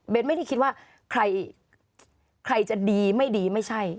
ไม่ได้คิดว่าใครจะดีไม่ดีไม่ใช่